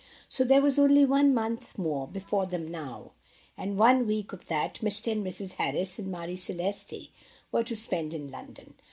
So there was only one month more before them now, and one week of that Mr. and Mrs. Harris and Marie Celeste were to spend in London.